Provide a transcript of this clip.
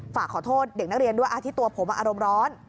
ฝากขอโทษเด็กนักเรียนด้วยที่ตัวผมอารมณ์ร้อน